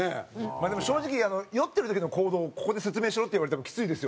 まあでも正直酔ってる時の行動をここで説明しろって言われてもきついですよね。